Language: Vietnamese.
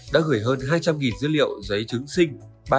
đã gửi hơn hai trăm linh dữ liệu giấy chứng sinh